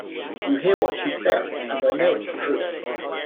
You hear what she says, and I know it's true.